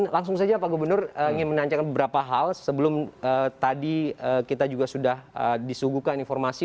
langsung saja pak gubernur ingin menanyakan beberapa hal sebelum tadi kita juga sudah disuguhkan informasi